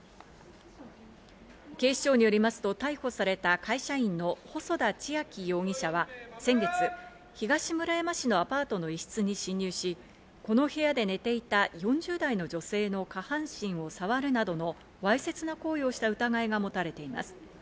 警視庁によりますと、逮捕された会社員の細田千暁容疑者は、先月、東村山市のアパートの一室に侵入し、この部屋で寝ていた４０代の女性の下半身を触るなどのわいせつな行為をした疑いが持たれています。